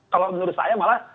kalau menurut saya malah